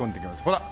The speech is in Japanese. ほら！